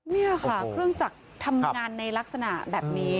นี่ค่ะเครื่องจักรทำงานในลักษณะแบบนี้